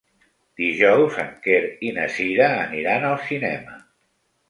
Dijous en Quer i na Cira aniran al cinema.